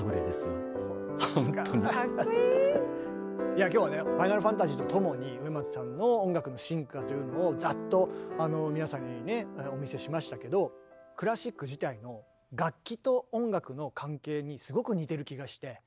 いや今日はね「ファイナルファンタジー」とともに植松さんの音楽の進化というのをざっと皆さんにねお見せしましたけどにすごく似てる気がして。